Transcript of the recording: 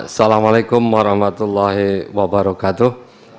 assalamu alaikum warahmatullahi wabarakatuh